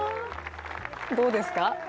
どうですか？